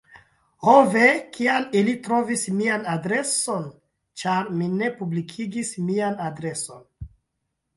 Ho ve, kial ili trovis mian adreson? ĉar mi ne publikigis mian adreson.